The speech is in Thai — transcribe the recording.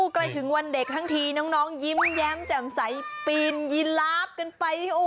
ใกล้ถึงวันเด็กทั้งทีน้องยิ้มแย้มแจ่มใสปีนยีลาฟกันไป